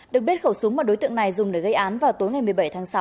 được biết khẩu súng mà đối tượng này dùng để gây án vào tối ngày một mươi bảy tháng sáu